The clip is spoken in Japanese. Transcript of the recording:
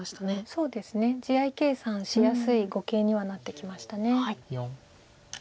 そうですね地合い計算しやすい碁形にはなってきました。